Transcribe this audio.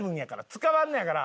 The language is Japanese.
使わんのやから。